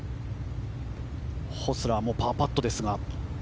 ホスラーもパーパットですが。